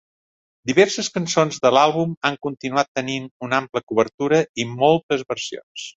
Diverses cançons de l'àlbum han continuat tenint una ampla cobertura i moltes versions.